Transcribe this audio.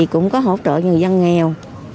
cũng có hỗ trợ người dân nghèo